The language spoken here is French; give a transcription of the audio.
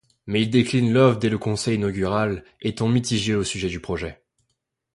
Mais il décline l'offre dès le conseil inaugural, étant mitigé au sujet du projet.